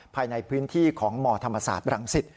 ภายในพื้นที่ของมธรรมศาสตร์รังสิต